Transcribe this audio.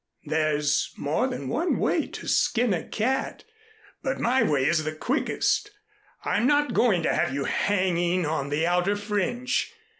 There's more than one way to skin a cat, but my way is the quickest. I'm not going to have you hanging on the outer fringe.